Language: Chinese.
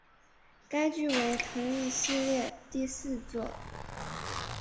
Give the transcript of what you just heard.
该剧为同一系列第四作。